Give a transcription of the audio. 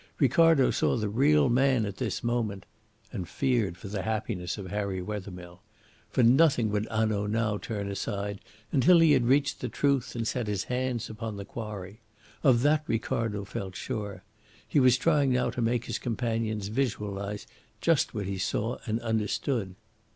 Ricardo saw the real man at this moment and feared for the happiness of Harry Wethermill. For nothing would Hanaud now turn aside until he had reached the truth and set his hands upon the quarry. Of that Ricardo felt sure. He was trying now to make his companions visualise just what he saw and understood.